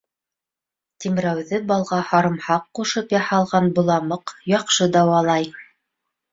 Тимрәүҙе балға һарымһаҡ ҡушып яһалған боламыҡ яҡшы дауалай.